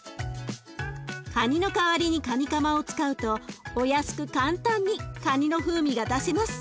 カニの代わりにカニカマを使うとお安く簡単にカニの風味が出せます。